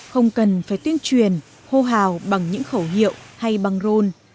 không cần phải tuyên truyền hô hào bằng những khẩu hiệu hay khó khăn